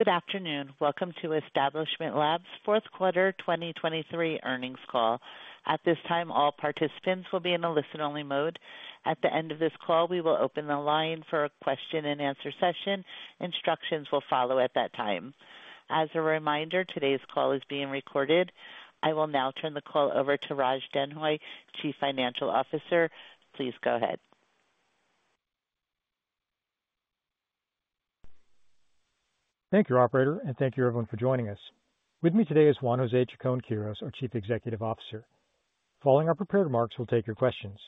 Good afternoon. Welcome to Establishment Labs' Fourth Quarter 2023 earnings call. At this time, all participants will be in a listen-only mode. At the end of this call, we will open the line for a question-and-answer session. Instructions will follow at that time. As a reminder, today's call is being recorded. I will now turn the call over to Raj Denhoy, Chief Financial Officer. Please go ahead. Thank you, Operator, and thank you, everyone, for joining us. With me today is Juan José Chacón-Quirós, our Chief Executive Officer. Following our prepared remarks, we'll take your questions.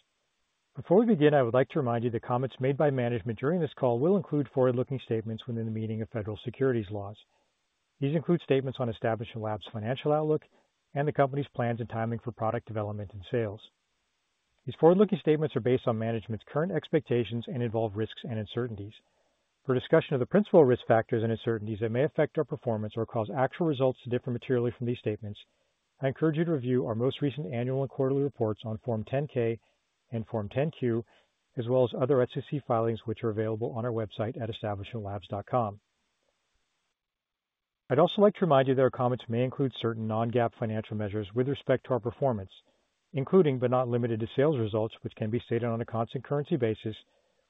Before we begin, I would like to remind you the comments made by management during this call will include forward-looking statements within the meaning of federal securities laws. These include statements on Establishment Labs' financial outlook and the company's plans and timing for product development and sales. These forward-looking statements are based on management's current expectations and involve risks and uncertainties. For discussion of the principal risk factors and uncertainties that may affect our performance or cause actual results to differ materially from these statements, I encourage you to review our most recent annual and quarterly reports on Form 10-K and Form 10-Q, as well as other SEC filings which are available on our website at establishmentlabs.com. I'd also like to remind you that our comments may include certain non-GAAP financial measures with respect to our performance, including but not limited to sales results, which can be stated on a constant currency basis,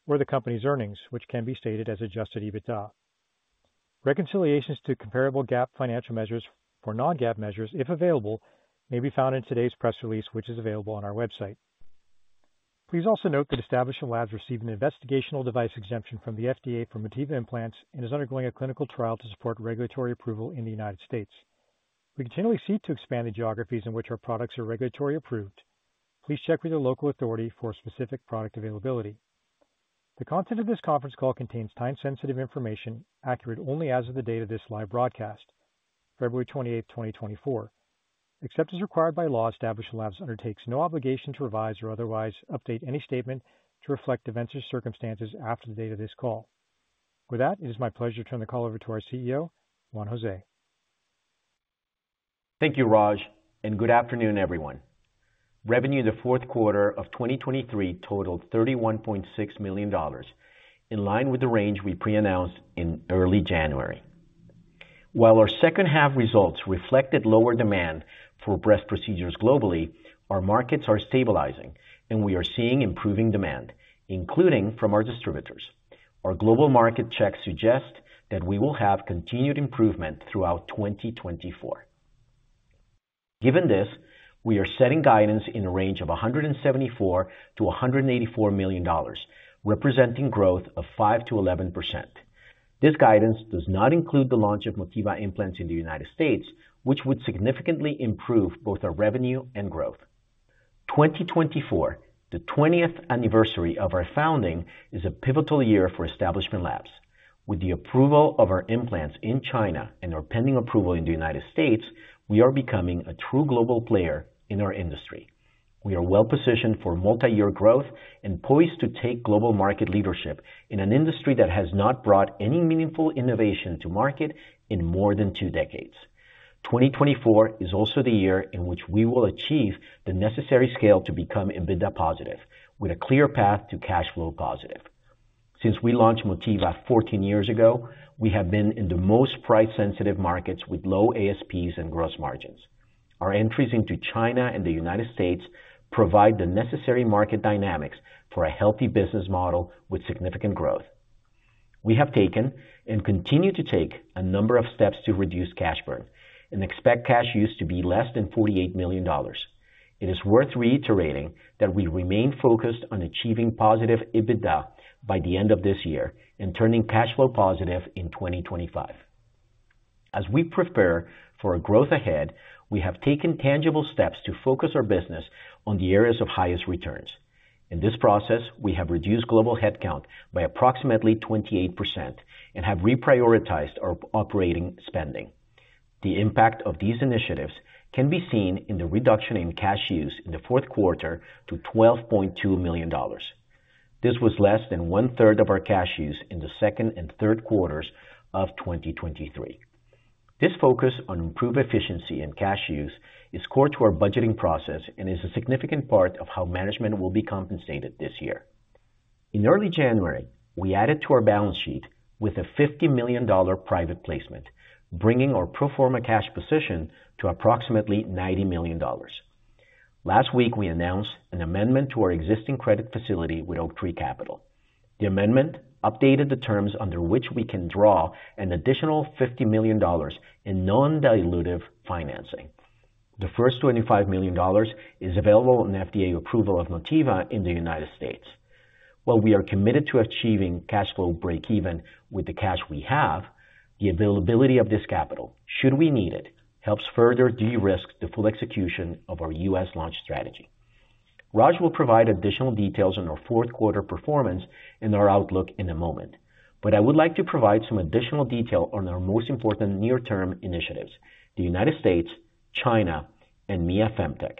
or the company's earnings, which can be stated as Adjusted EBITDA. Reconciliations to comparable GAAP financial measures for non-GAAP measures, if available, may be found in today's press release, which is available on our website. Please also note that Establishment Labs received an investigational device exemption from the FDA for Motiva Implants and is undergoing a clinical trial to support regulatory approval in the United States. We continually seek to expand the geographies in which our products are regulatory approved. Please check with your local authority for specific product availability. The content of this conference call contains time-sensitive information, accurate only as of the date of this live broadcast, February 28, 2024. Except as required by law, Establishment Labs undertakes no obligation to revise or otherwise update any statement to reflect events or circumstances after the date of this call. With that, it is my pleasure to turn the call over to our CEO, Juan José. Thank you, Raj, and good afternoon, everyone. Revenue the fourth quarter of 2023 totaled $31.6 million, in line with the range we pre-announced in early January. While our second-half results reflected lower demand for breast procedures globally, our markets are stabilizing, and we are seeing improving demand, including from our distributors. Our global market checks suggest that we will have continued improvement throughout 2024. Given this, we are setting guidance in a range of $174-$184 million, representing growth of 5%-11%. This guidance does not include the launch of Motiva Implants in the United States, which would significantly improve both our revenue and growth. 2024, the 20th anniversary of our founding, is a pivotal year for Establishment Labs. With the approval of our implants in China and our pending approval in the United States, we are becoming a true global player in our industry. We are well-positioned for multi-year growth and poised to take global market leadership in an industry that has not brought any meaningful innovation to market in more than two decades. 2024 is also the year in which we will achieve the necessary scale to become EBITDA positive, with a clear path to cash flow positive. Since we launched Motiva 14 years ago, we have been in the most price-sensitive markets with low ASPs and gross margins. Our entries into China and the United States provide the necessary market dynamics for a healthy business model with significant growth. We have taken and continue to take a number of steps to reduce cash burn and expect cash use to be less than $48 million. It is worth reiterating that we remain focused on achieving positive EBITDA by the end of this year and turning cash flow positive in 2025. As we prepare for a growth ahead, we have taken tangible steps to focus our business on the areas of highest returns. In this process, we have reduced global headcount by approximately 28% and have reprioritized our operating spending. The impact of these initiatives can be seen in the reduction in cash use in the fourth quarter to $12.2 million. This was less than one-third of our cash use in the second and third quarters of 2023. This focus on improved efficiency in cash use is core to our budgeting process and is a significant part of how management will be compensated this year. In early January, we added to our balance sheet with a $50 million private placement, bringing our pro forma cash position to approximately $90 million. Last week, we announced an amendment to our existing credit facility with Oaktree Capital. The amendment updated the terms under which we can draw an additional $50 million in non-dilutive financing. The first $25 million is available on FDA approval of Motiva in the United States. While we are committed to achieving cash flow break-even with the cash we have, the availability of this capital, should we need it, helps further de-risk the full execution of our U.S. launch strategy. Raj will provide additional details on our fourth quarter performance and our outlook in a moment, but I would like to provide some additional detail on our most important near-term initiatives: the United States, China, and Mia Femtech.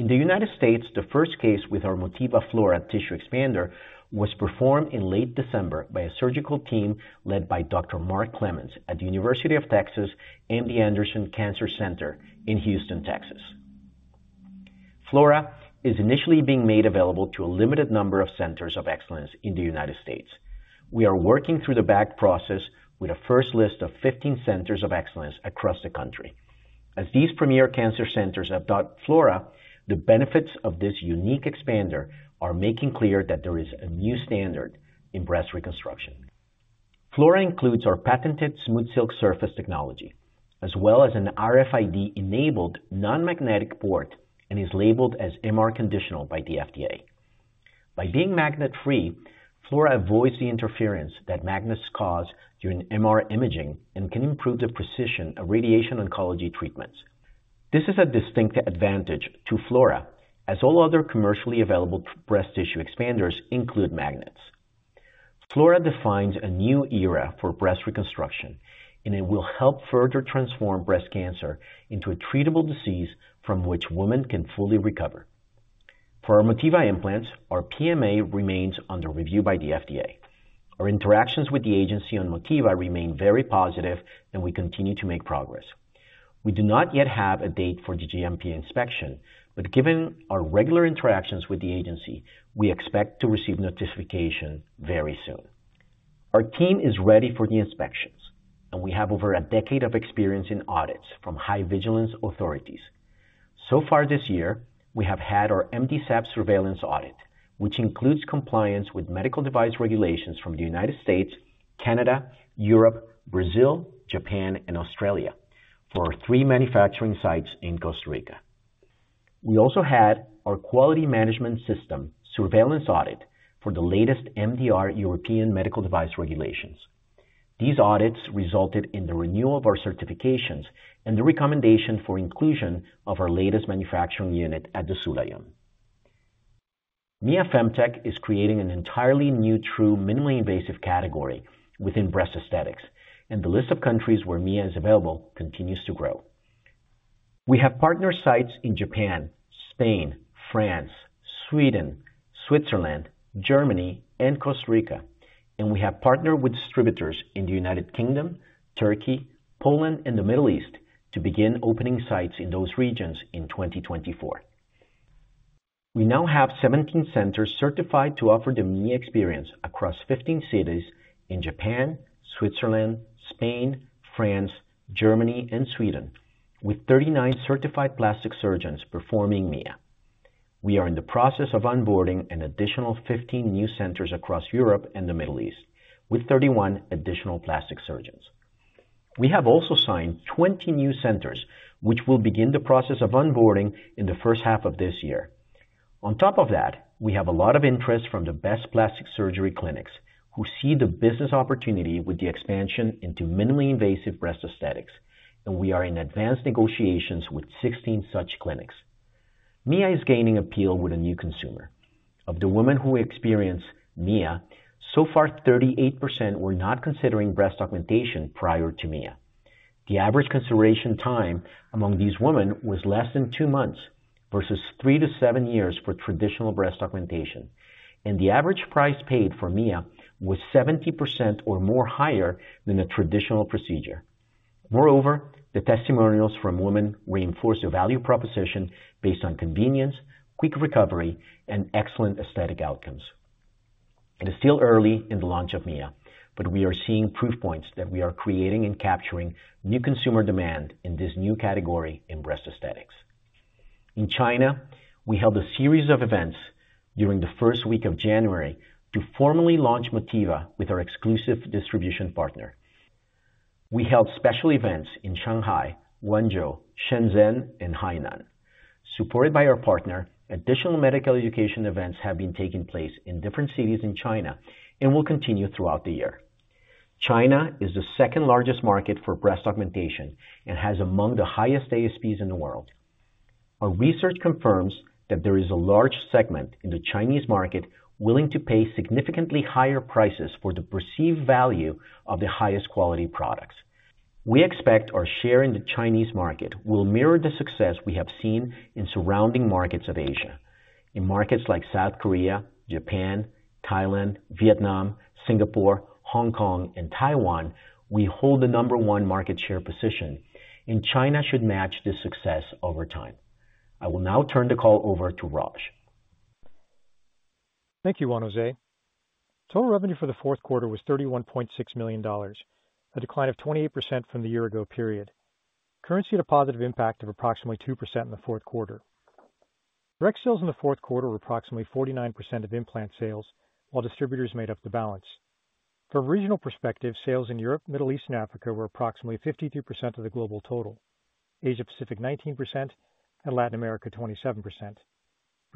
In the United States, the first case with our Motiva Flora tissue expander was performed in late December by a surgical team led by Dr. Mark Clemens at The University of Texas MD Anderson Cancer Center in Houston, Texas. Flora is initially being made available to a limited number of centers of excellence in the United States. We are working through the VAC process with a first list of 15 centers of excellence across the country. As these premier cancer centers adopt Flora, the benefits of this unique expander are making clear that there is a new standard in breast reconstruction. Flora includes our patented SmoothSilk surface technology, as well as an RFID-enabled non-magnetic port and is labeled as MR Conditional by the FDA. By being magnet-free, Flora avoids the interference that magnets cause during MR imaging and can improve the precision of radiation oncology treatments. This is a distinct advantage to Flora, as all other commercially available breast tissue expanders include magnets. Flora defines a new era for breast reconstruction, and it will help further transform breast cancer into a treatable disease from which women can fully recover. For our Motiva Implants, our PMA remains under review by the FDA. Our interactions with the agency on Motiva remain very positive, and we continue to make progress. We do not yet have a date for the GMP inspection, but given our regular interactions with the agency, we expect to receive notification very soon. Our team is ready for the inspections, and we have over a decade of experience in audits from high-vigilance authorities. So far this year, we have had our MDSAP surveillance audit, which includes compliance with medical device regulations from the United States, Canada, Europe, Brazil, Japan, and Australia for our three manufacturing sites in Costa Rica. We also had our quality management system surveillance audit for the latest MDR European medical device regulations. These audits resulted in the renewal of our certifications and the recommendation for inclusion of our latest manufacturing unit at the Sulayom. Mia Femtech is creating an entirely new true minimally invasive category within breast aesthetics, and the list of countries where Mia is available continues to grow. We have partnered sites in Japan, Spain, France, Sweden, Switzerland, Germany, and Costa Rica, and we have partnered with distributors in the United Kingdom, Turkey, Poland, and the Middle East to begin opening sites in those regions in 2024. We now have 17 centers certified to offer the Mia experience across 15 cities in Japan, Switzerland, Spain, France, Germany, and Sweden, with 39 certified plastic surgeons performing Mia. We are in the process of onboarding an additional 15 new centers across Europe and the Middle East, with 31 additional plastic surgeons. We have also signed 20 new centers, which will begin the process of onboarding in the first half of this year. On top of that, we have a lot of interest from the best plastic surgery clinics who see the business opportunity with the expansion into minimally invasive breast aesthetics, and we are in advanced negotiations with 16 such clinics. Mia is gaining appeal with a new consumer. Of the women who experience Mia, so far 38% were not considering breast augmentation prior to Mia. The average consideration time among these women was less than two months versus three to seven years for traditional breast augmentation, and the average price paid for Mia was 70% or more higher than a traditional procedure. Moreover, the testimonials from women reinforce the value proposition based on convenience, quick recovery, and excellent aesthetic outcomes. It is still early in the launch of Mia, but we are seeing proof points that we are creating and capturing new consumer demand in this new category in breast aesthetics. In China, we held a series of events during the first week of January to formally launch Motiva with our exclusive distribution partner. We held special events in Shanghai, Guangzhou, Shenzhen, and Hainan. Supported by our partner, additional medical education events have been taking place in different cities in China and will continue throughout the year. China is the second-largest market for breast augmentation and has among the highest ASPs in the world. Our research confirms that there is a large segment in the Chinese market willing to pay significantly higher prices for the perceived value of the highest quality products. We expect our share in the Chinese market will mirror the success we have seen in surrounding markets of Asia. In markets like South Korea, Japan, Thailand, Vietnam, Singapore, Hong Kong, and Taiwan, we hold the number one market share position, and China should match this success over time. I will now turn the call over to Raj. Thank you, Juan José. Total revenue for the fourth quarter was $31.6 million, a decline of 28% from the year-ago period. Currency had a positive impact of approximately 2% in the fourth quarter. Direct sales in the fourth quarter were approximately 49% of implant sales, while distributors made up the balance. From a regional perspective, sales in Europe, Middle East, and Africa were approximately 53% of the global total, Asia-Pacific 19%, and Latin America 27%.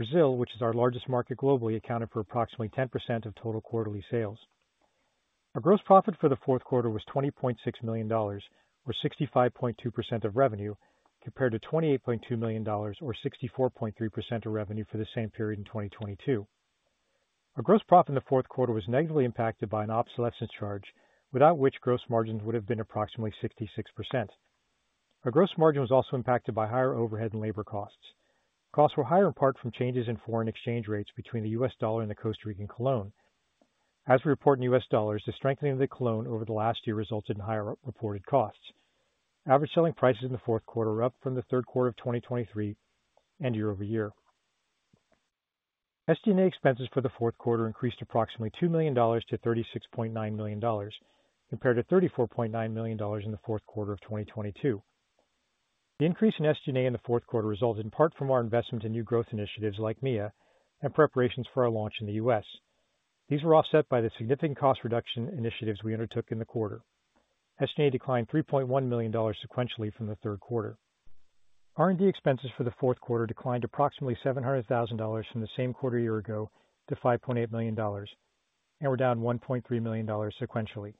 Brazil, which is our largest market globally, accounted for approximately 10% of total quarterly sales. Our gross profit for the fourth quarter was $20.6 million, or 65.2% of revenue, compared to $28.2 million, or 64.3% of revenue for the same period in 2022. Our gross profit in the fourth quarter was negatively impacted by an obsolescence charge, without which gross margins would have been approximately 66%. Our gross margin was also impacted by higher overhead and labor costs. Costs were higher in part from changes in foreign exchange rates between the U.S. dollar and the Costa Rican colón. As we report in U.S. dollars, the strengthening of the colón over the last year resulted in higher reported costs. Average selling prices in the fourth quarter are up from the third quarter of 2023 and year-over-year. SG&A expenses for the fourth quarter increased approximately $2 million to $36.9 million, compared to $34.9 million in the fourth quarter of 2022. The increase in SG&A in the fourth quarter resulted in part from our investment in new growth initiatives like Mia and preparations for our launch in the U.S. These were offset by the significant cost reduction initiatives we undertook in the quarter. SG&A declined $3.1 million sequentially from the third quarter. R&D expenses for the fourth quarter declined approximately $700,000 from the same quarter year ago to $5.8 million, and were down $1.3 million sequentially.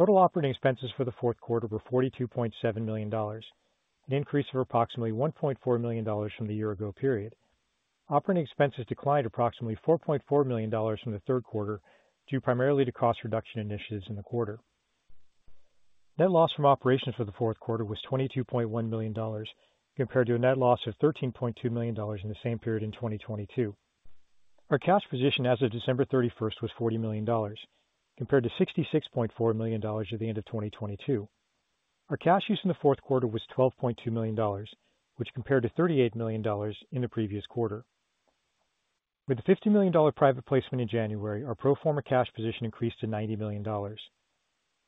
Total operating expenses for the fourth quarter were $42.7 million, an increase of approximately $1.4 million from the year-ago period. Operating expenses declined approximately $4.4 million from the third quarter due primarily to cost reduction initiatives in the quarter. Net loss from operations for the fourth quarter was $22.1 million, compared to a net loss of $13.2 million in the same period in 2022. Our cash position as of December 31st was $40 million, compared to $66.4 million at the end of 2022. Our cash use in the fourth quarter was $12.2 million, which compared to $38 million in the previous quarter. With the $50 million private placement in January, our pro forma cash position increased to $90 million.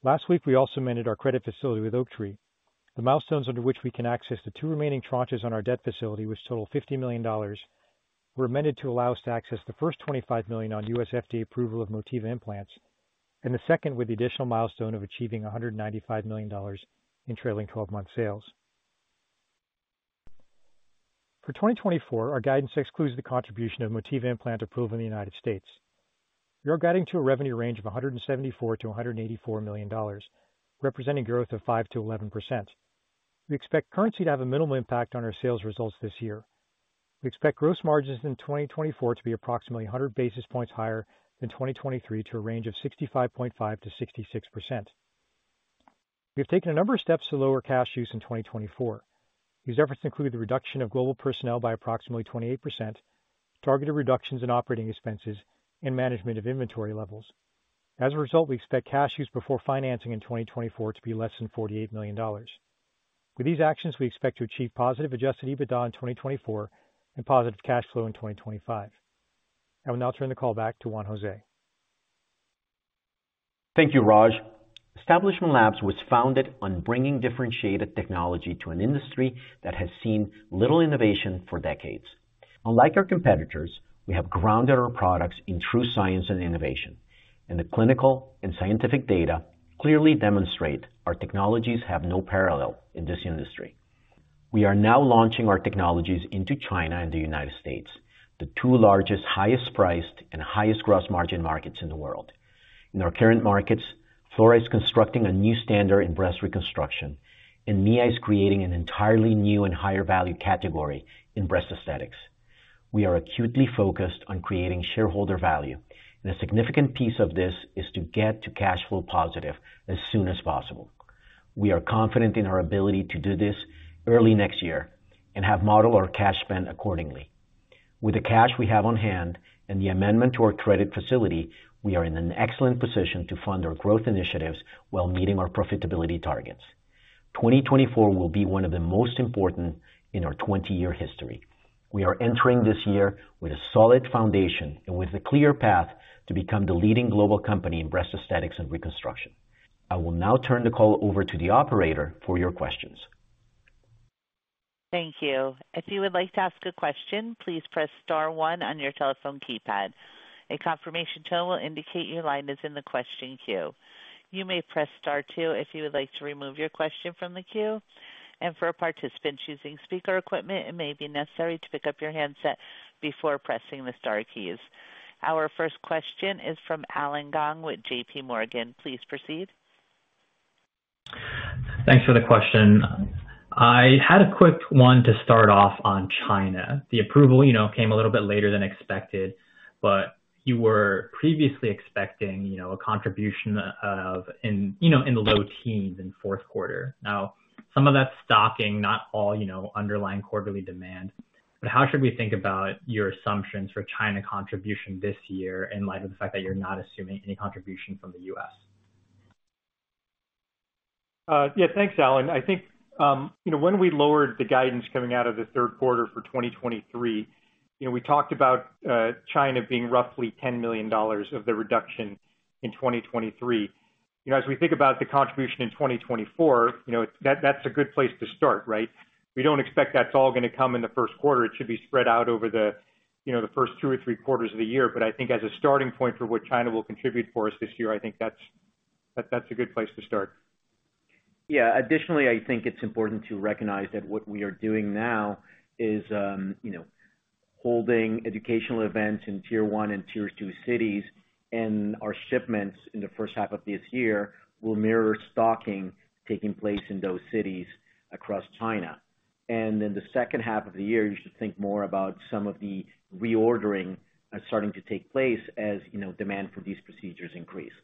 Last week, we also amended our credit facility with Oaktree. The milestones under which we can access the two remaining tranches on our debt facility, which total $50 million, were amended to allow us to access the first $25 million on U.S. FDA approval of Motiva implants, and the second with the additional milestone of achieving $195 million in trailing 12-month sales. For 2024, our guidance excludes the contribution of Motiva implant approval in the United States. We are guiding to a revenue range of $174-$184 million, representing growth of 5%-11%. We expect currency to have a minimal impact on our sales results this year. We expect gross margins in 2024 to be approximately 100 basis points higher than 2023 to a range of 65.5%-66%. We have taken a number of steps to lower cash use in 2024. These efforts include the reduction of global personnel by approximately 28%, targeted reductions in operating expenses, and management of inventory levels. As a result, we expect cash use before financing in 2024 to be less than $48 million. With these actions, we expect to achieve positive adjusted EBITDA in 2024 and positive cash flow in 2025. I will now turn the call back to Juan José. Thank you, Raj. Establishment Labs was founded on bringing differentiated technology to an industry that has seen little innovation for decades. Unlike our competitors, we have grounded our products in true science and innovation, and the clinical and scientific data clearly demonstrate our technologies have no parallel in this industry. We are now launching our technologies into China and the United States, the two largest, highest-priced, and highest-gross margin markets in the world. In our current markets, Flora is constructing a new standard in breast reconstruction, and Mia is creating an entirely new and higher-value category in breast aesthetics. We are acutely focused on creating shareholder value, and a significant piece of this is to get to cash flow positive as soon as possible. We are confident in our ability to do this early next year and have modeled our cash spend accordingly. With the cash we have on hand and the amendment to our credit facility, we are in an excellent position to fund our growth initiatives while meeting our profitability targets. 2024 will be one of the most important in our 20-year history. We are entering this year with a solid foundation and with a clear path to become the leading global company in breast aesthetics and reconstruction. I will now turn the call over to the operator for your questions. Thank you. If you would like to ask a question, please press star one on your telephone keypad. A confirmation tone will indicate your line is in the question queue. You may press star two if you would like to remove your question from the queue. For participants using speaker equipment, it may be necessary to pick up your handset before pressing the star keys. Our first question is from Allen Gong with J.P. Morgan. Please proceed. Thanks for the question. I had a quick one to start off on China. The approval came a little bit later than expected, but you were previously expecting a contribution in the low teens in fourth quarter. Now, some of that's stocking, not all underlying quarterly demand. But how should we think about your assumptions for China contribution this year in light of the fact that you're not assuming any contribution from the U.S.? Yeah, thanks, Allen. I think when we lowered the guidance coming out of the third quarter for 2023, we talked about China being roughly $10 million of the reduction in 2023. As we think about the contribution in 2024, that's a good place to start, right? We don't expect that's all going to come in the first quarter. It should be spread out over the first two or three quarters of the year. But I think as a starting point for what China will contribute for us this year, I think that's a good place to start. Yeah. Additionally, I think it's important to recognize that what we are doing now is holding educational events in Tier One and Tier Two cities, and our shipments in the first half of this year will mirror stocking taking place in those cities across China. In the second half of the year, you should think more about some of the reordering starting to take place as demand for these procedures increases.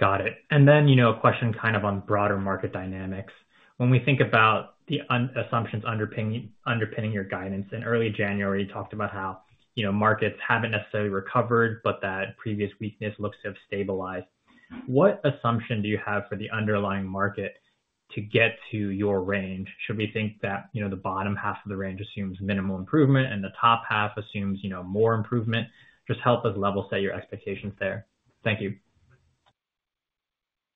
Got it. Then a question kind of on broader market dynamics. When we think about the assumptions underpinning your guidance, in early January, you talked about how markets haven't necessarily recovered, but that previous weakness looks to have stabilized. What assumption do you have for the underlying market to get to your range? Should we think that the bottom half of the range assumes minimal improvement and the top half assumes more improvement? Just help us level set your expectations there. Thank you.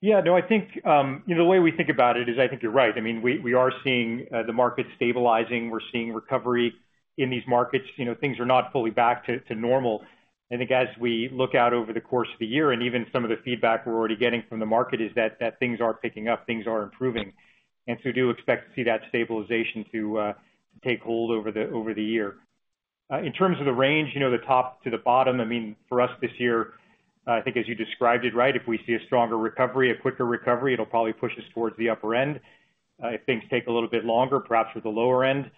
Yeah. No, I think the way we think about it is I think you're right. I mean, we are seeing the market stabilizing. We're seeing recovery in these markets. Things are not fully back to normal. I think as we look out over the course of the year, and even some of the feedback we're already getting from the market is that things are picking up, things are improving. And so do expect to see that stabilization to take hold over the year. In terms of the range, the top to the bottom, I mean, for us this year, I think as you described it right, if we see a stronger recovery, a quicker recovery, it'll probably push us towards the upper end. If things take a little bit longer, perhaps with the lower end.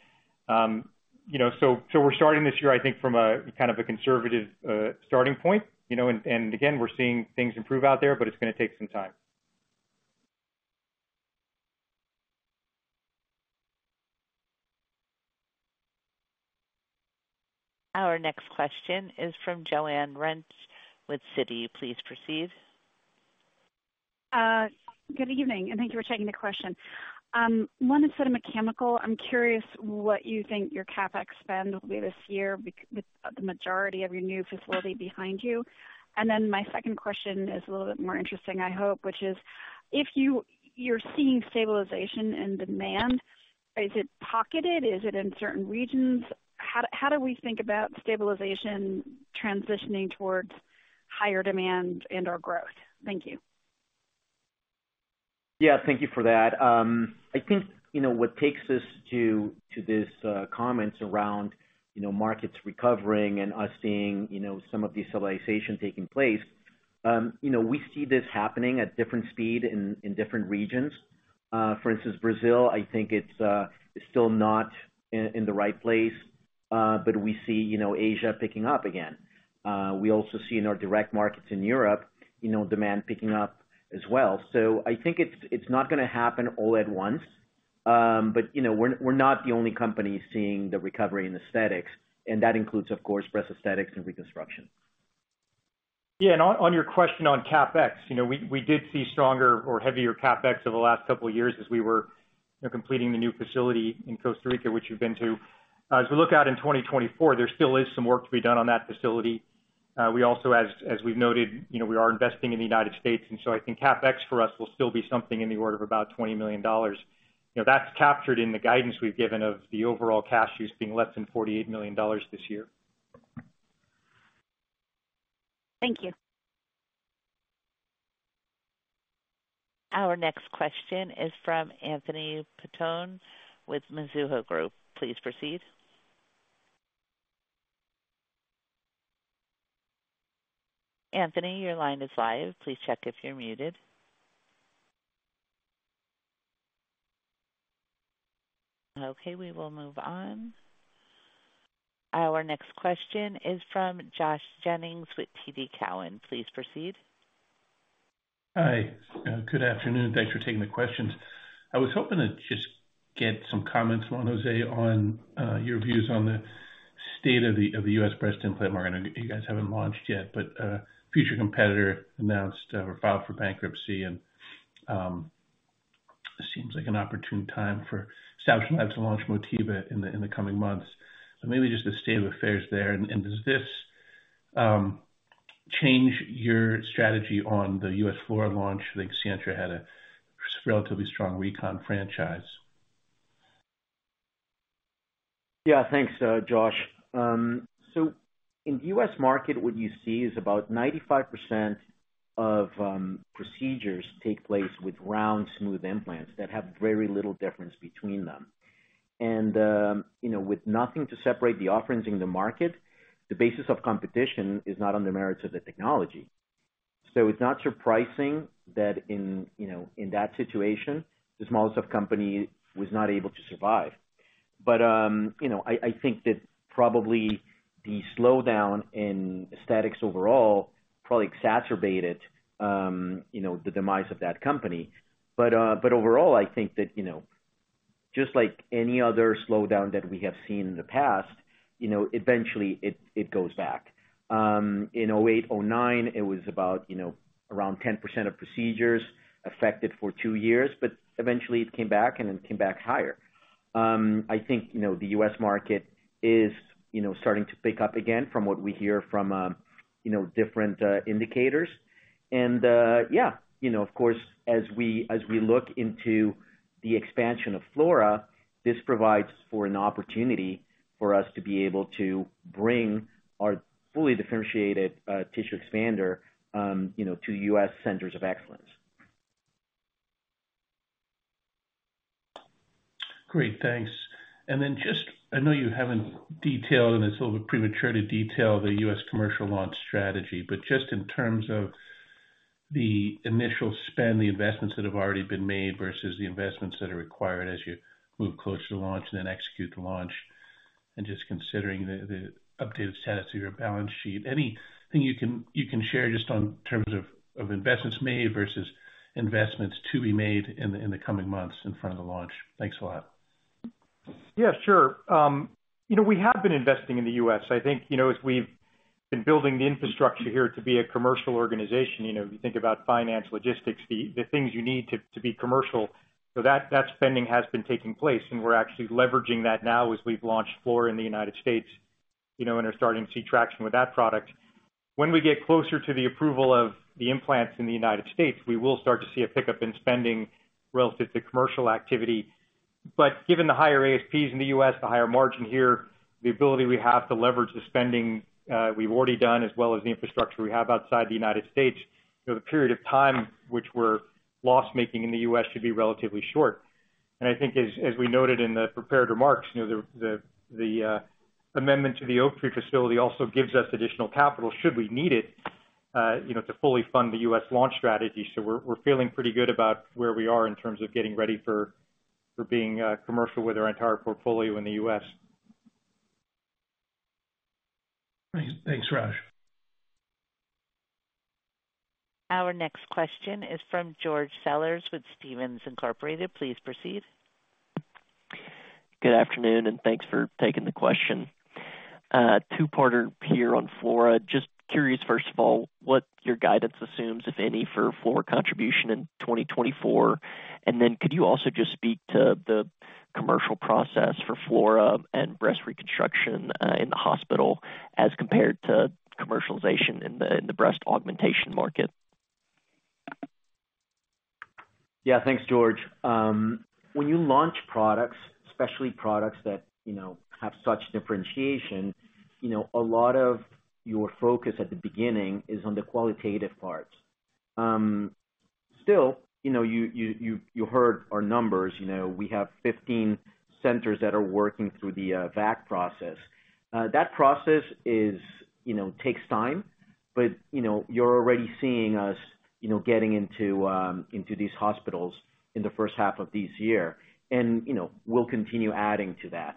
So we're starting this year, I think, from kind of a conservative starting point. And again, we're seeing things improve out there, but it's going to take some time. Our next question is from Joanne Wuensch with Citi. Please proceed. Good evening, and thank you for taking the question. One is sort of mechanical. I'm curious what you think your CapEx spend will be this year with the majority of your new facility behind you. And then my second question is a little bit more interesting, I hope, which is if you're seeing stabilization in demand, is it pocketed? Is it in certain regions? How do we think about stabilization transitioning towards higher demand and/or growth? Thank you. Yeah, thank you for that. I think what takes us to these comments around markets recovering and us seeing some of the stabilization taking place, we see this happening at different speeds in different regions. For instance, Brazil, I think it's still not in the right place, but we see Asia picking up again. We also see in our direct markets in Europe demand picking up as well. So I think it's not going to happen all at once, but we're not the only company seeing the recovery in aesthetics. And that includes, of course, breast aesthetics and reconstruction. Yeah. And on your question on CapEx, we did see stronger or heavier CapEx over the last couple of years as we were completing the new facility in Costa Rica, which you've been to. As we look out in 2024, there still is some work to be done on that facility. We also, as we've noted, we are investing in the United States, and so I think CapEx for us will still be something in the order of about $20 million. That's captured in the guidance we've given of the overall cash use being less than $48 million this year. Thank you. Our next question is from Anthony Petrone with Mizuho Group. Please proceed. Anthony, your line is live. Please check if you're muted. Okay, we will move on. Our next question is from Josh Jennings with TD Cowen. Please proceed. Hi. Good afternoon. Thanks for taking the questions. I was hoping to just get some comments, Juan José, on your views on the state of the U.S. breast implant market. You guys haven't launched yet, but a future competitor announced or filed for bankruptcy, and it seems like an opportune time for Establishment Labs to launch Motiva in the coming months. But maybe just the state of affairs there. And does this change your strategy on the U.S. Flora launch? I think Sientra had a relatively strong recon franchise. Yeah, thanks, Josh. So in the U.S. market, what you see is about 95% of procedures take place with round, smooth implants that have very little difference between them. And with nothing to separate the offerings in the market, the basis of competition is not on the merits of the technology. So it's not surprising that in that situation, the smallest of companies was not able to survive. But I think that probably the slowdown in aesthetics overall probably exacerbated the demise of that company. But overall, I think that just like any other slowdown that we have seen in the past, eventually, it goes back. In 2008, 2009, it was about around 10% of procedures affected for two years, but eventually, it came back and it came back higher. I think the U.S. market is starting to pick up again from what we hear from different indicators. And yeah, of course, as we look into the expansion of Flora, this provides for an opportunity for us to be able to bring our fully differentiated tissue expander to the U.S. centers of excellence. Great. Thanks. And then just I know you haven't detailed, and it's a little bit premature to detail, the U.S. commercial launch strategy, but just in terms of the initial spend, the investments that have already been made versus the investments that are required as you move closer to launch and then execute the launch and just considering the updated status of your balance sheet, anything you can share just in terms of investments made versus investments to be made in the coming months in front of the launch? Thanks a lot. Yeah, sure. We have been investing in the U.S. I think as we've been building the infrastructure here to be a commercial organization, you think about finance, logistics, the things you need to be commercial. So that spending has been taking place, and we're actually leveraging that now as we've launched Flora in the United States and are starting to see traction with that product. When we get closer to the approval of the implants in the United States, we will start to see a pickup in spending relative to commercial activity. But given the higher ASPs in the U.S., the higher margin here, the ability we have to leverage the spending we've already done as well as the infrastructure we have outside the United States, the period of time which we're loss-making in the U.S. should be relatively short. I think as we noted in the prepared remarks, the amendment to the Oaktree facility also gives us additional capital should we need it to fully fund the U.S. launch strategy. We're feeling pretty good about where we are in terms of getting ready for being commercial with our entire portfolio in the U.S. Thanks, Raj. Our next question is from George Sellers with Stephens Inc. Please proceed. Good afternoon, and thanks for taking the question. Two-parter here on Flora. Just curious, first of all, what your guidance assumes, if any, for Flora contribution in 2024? And then could you also just speak to the commercial process for Flora and breast reconstruction in the hospital as compared to commercialization in the breast augmentation market? Yeah, thanks, George. When you launch products, especially products that have such differentiation, a lot of your focus at the beginning is on the qualitative parts. Still, you heard our numbers. We have 15 centers that are working through the VAC process. That process takes time, but you're already seeing us getting into these hospitals in the first half of this year, and we'll continue adding to that.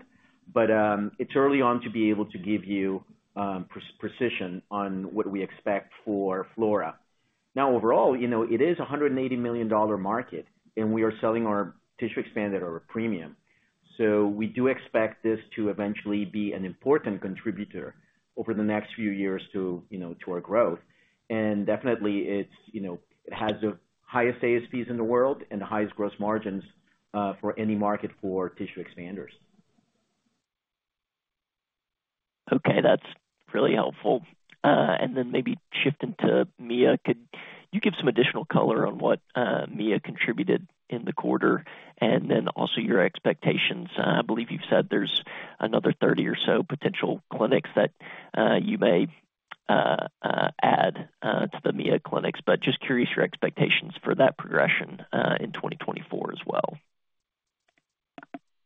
But it's early on to be able to give you precision on what we expect for Flora. Now, overall, it is a $180 million market, and we are selling our tissue expander at a premium. So we do expect this to eventually be an important contributor over the next few years to our growth. And definitely, it has the highest ASPs in the world and the highest gross margins for any market for tissue expanders. Okay, that's really helpful. And then maybe shifting to Mia, could you give some additional color on what Mia contributed in the quarter and then also your expectations? I believe you've said there's another 30 or so potential clinics that you may add to the Mia clinics, but just curious your expectations for that progression in 2024 as well?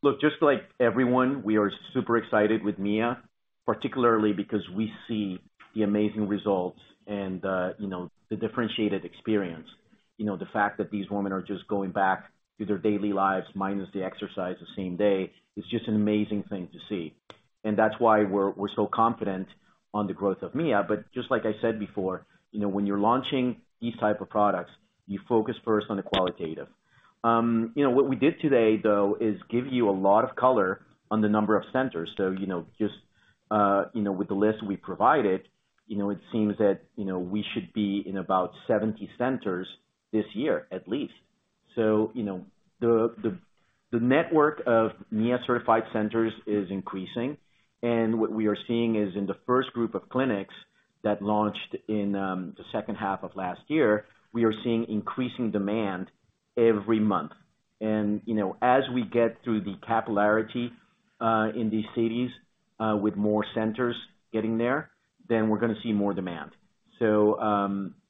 Look, just like everyone, we are super excited with Mia, particularly because we see the amazing results and the differentiated experience. The fact that these women are just going back to their daily lives minus the exercise the same day is just an amazing thing to see. That's why we're so confident on the growth of Mia. Just like I said before, when you're launching these types of products, you focus first on the qualitative. What we did today, though, is give you a lot of color on the number of centers. Just with the list we provided, it seems that we should be in about 70 centers this year, at least. The network of Mia-certified centers is increasing. What we are seeing is in the first group of clinics that launched in the second half of last year, we are seeing increasing demand every month. As we get through the capillarity in these cities with more centers getting there, then we're going to see more demand.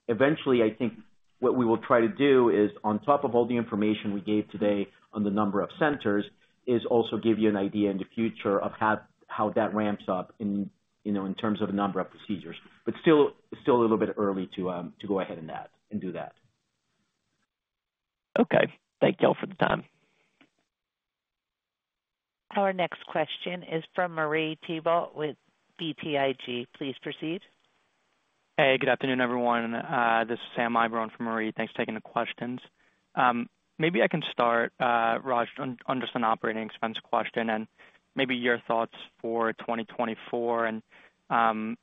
Eventually, I think what we will try to do is, on top of all the information we gave today on the number of centers, is also give you an idea in the future of how that ramps up in terms of the number of procedures. Still a little bit early to go ahead and do that. Okay. Thank y'all for the time. Our next question is from Marie Thibault with BTIG. Please proceed. Hey, good afternoon, everyone. This is Sam Eiber from Marie. Thanks for taking the questions. Maybe I can start, Raj, on just an operating expense question and maybe your thoughts for 2024.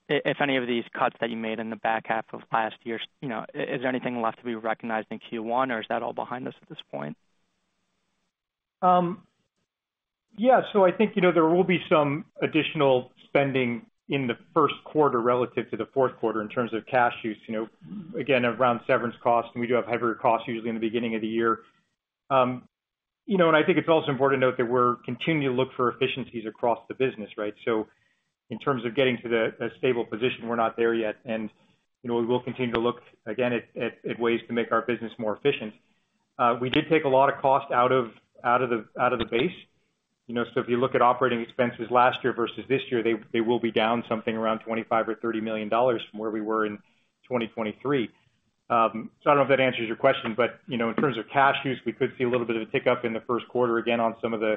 If any of these cuts that you made in the back half of last year, is there anything left to be recognized in Q1, or is that all behind us at this point? Yeah, so I think there will be some additional spending in the first quarter relative to the fourth quarter in terms of cash use, again, around severance costs. And we do have heavier costs usually in the beginning of the year. And I think it's also important to note that we're continuing to look for efficiencies across the business, right? So in terms of getting to a stable position, we're not there yet. And we will continue to look, again, at ways to make our business more efficient. We did take a lot of cost out of the base. So if you look at operating expenses last year versus this year, they will be down something around $25-$30 million from where we were in 2023. I don't know if that answers your question, but in terms of cash use, we could see a little bit of a tick up in the first quarter again on some of the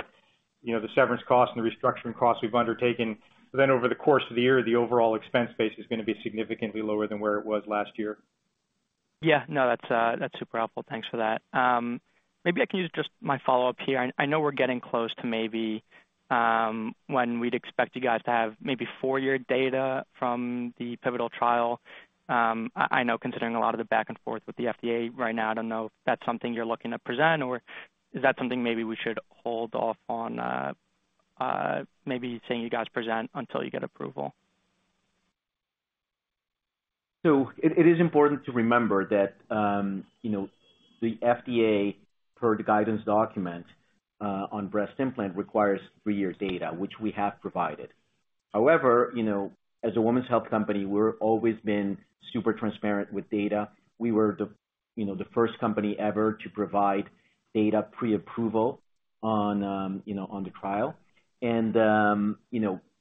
severance costs and the restructuring costs we've undertaken. But then over the course of the year, the overall expense base is going to be significantly lower than where it was last year. Yeah, no, that's super helpful. Thanks for that. Maybe I can use just my follow-up here. I know we're getting close to maybe when we'd expect you guys to have maybe four-year data from the pivotal trial. I know considering a lot of the back and forth with the FDA right now, I don't know if that's something you're looking to present, or is that something maybe we should hold off on maybe seeing you guys present until you get approval? It is important to remember that the FDA, per the guidance document on breast implant, requires three-year data, which we have provided. However, as a women's health company, we've always been super transparent with data. We were the first company ever to provide data pre-approval on the trial.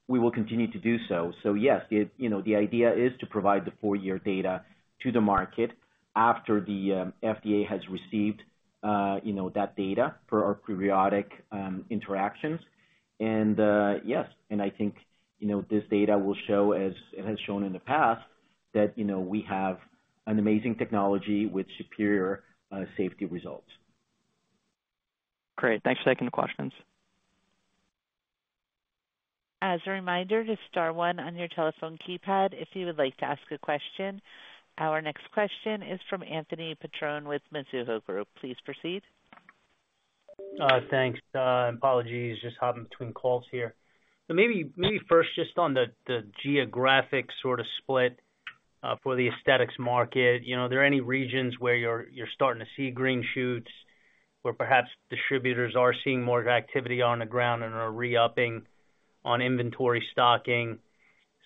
We will continue to do so. Yes, the idea is to provide the four-year data to the market after the FDA has received that data for our periodic interactions. And yes, and I think this data will show, as it has shown in the past, that we have an amazing technology with superior safety results. Great. Thanks for taking the questions. As a reminder, just star 1 on your telephone keypad if you would like to ask a question. Our next question is from Anthony Petrone with Mizuho Group. Please proceed. Thanks. Apologies, just hopping between calls here. So maybe first, just on the geographic sort of split for the aesthetics market, are there any regions where you're starting to see green shoots, where perhaps distributors are seeing more activity on the ground and are re-upping on inventory stocking?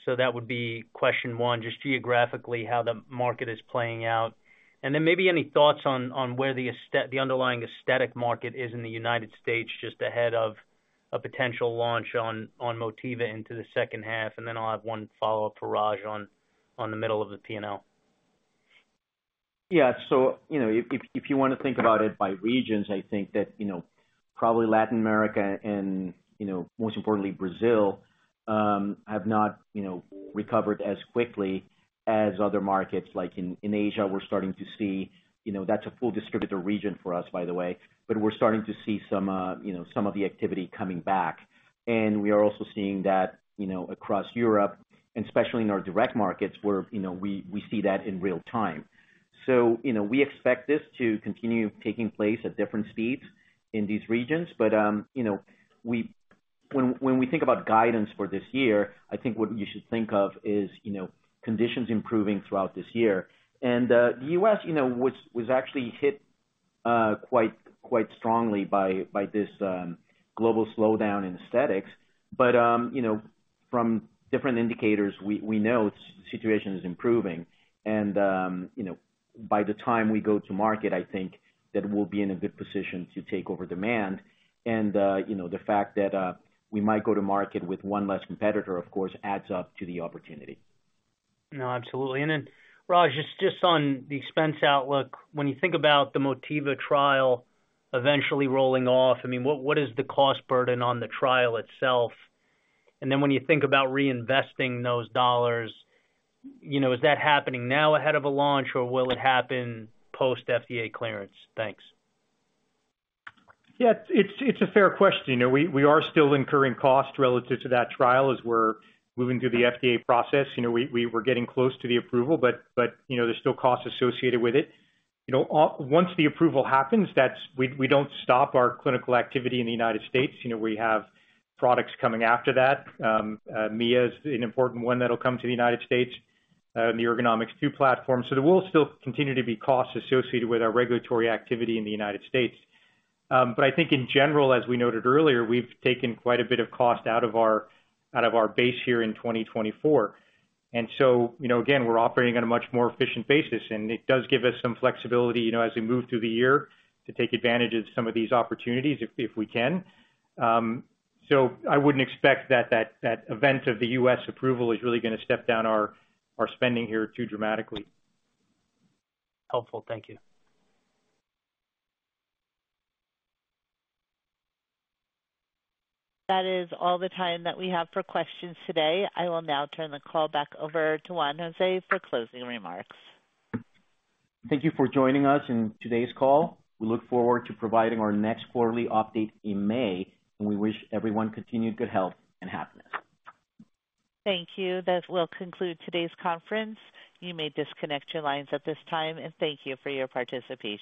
So that would be question one, just geographically, how the market is playing out. And then maybe any thoughts on where the underlying aesthetic market is in the United States just ahead of a potential launch on Motiva into the second half. And then I'll have one follow-up for Raj on the middle of the P&L. Yeah, so if you want to think about it by regions, I think that probably Latin America and, most importantly, Brazil have not recovered as quickly as other markets. Like in Asia, we're starting to see that's a full distributor region for us, by the way, but we're starting to see some of the activity coming back. And we are also seeing that across Europe, and especially in our direct markets, where we see that in real time. So we expect this to continue taking place at different speeds in these regions. But when we think about guidance for this year, I think what you should think of is conditions improving throughout this year. And the U.S. was actually hit quite strongly by this global slowdown in aesthetics. But from different indicators, we know the situation is improving. By the time we go to market, I think that we'll be in a good position to take over demand. The fact that we might go to market with one less competitor, of course, adds up to the opportunity. No, absolutely. And then, Raj, just on the expense outlook, when you think about the Motiva trial eventually rolling off, I mean, what is the cost burden on the trial itself? And then when you think about reinvesting those dollars, is that happening now ahead of a launch, or will it happen post-FDA clearance? Thanks. Yeah, it's a fair question. We are still incurring costs relative to that trial as we're moving through the FDA process. We're getting close to the approval, but there's still costs associated with it. Once the approval happens, we don't stop our clinical activity in the United States. We have products coming after that. Mia is an important one that'll come to the United States, the Ergonomix2 platform. So there will still continue to be costs associated with our regulatory activity in the United States. But I think, in general, as we noted earlier, we've taken quite a bit of cost out of our base here in 2024. And so, again, we're operating on a much more efficient basis, and it does give us some flexibility as we move through the year to take advantage of some of these opportunities if we can. So I wouldn't expect that event of the U.S. approval is really going to step down our spending here too dramatically. Helpful. Thank you. That is all the time that we have for questions today. I will now turn the call back over to Juan José for closing remarks. Thank you for joining us in today's call. We look forward to providing our next quarterly update in May, and we wish everyone continued good health and happiness. Thank you. That will conclude today's conference. You may disconnect your lines at this time, and thank you for your participation.